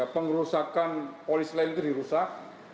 pengerusakan polis lain itu dirusak